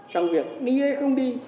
trong việc đi hay không đi